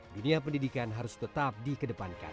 dunia pendidikan harus tetap dikedepankan